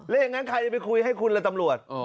แล้วอย่างนั้นใครจะไปคุยให้คุณล่ะตำรวจ